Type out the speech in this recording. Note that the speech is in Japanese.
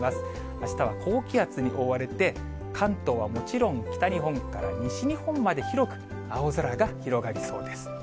あしたは高気圧に覆われて、関東はもちろん、北日本から西日本まで広く青空が広がりそうです。